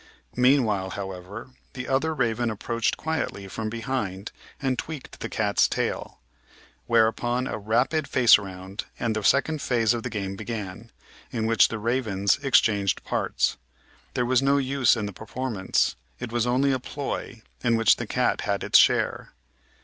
Meanwhile, however, the other raven approached quietly from behind and tweaked the cat's tail. Whereupon a rapid face round, and the second phase of the game began, in which the ravens exchanged parts. There was no use in the performance ; it was only a "ploy" in which the cat had its share.